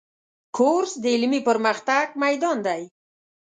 کورس د علمي پرمختګ میدان دی.